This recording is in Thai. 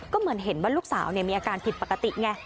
ก็เหมือนเห็นว่าลูกสาวมีอาการผิดปกติไง